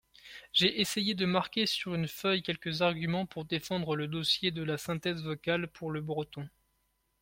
J’ai essayé de marquer sur une feuille quelques arguments pour défendre le dossier de la synthèse vocale pour le breton.